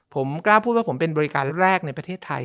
ผมกล้าพูดว่าผมเป็นบริการแรกในประเทศไทย